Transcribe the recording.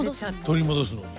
取り戻すのに。